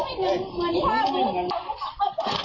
หนาวิ่งเหมือนพ่อมู